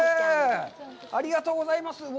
ありがとうございます。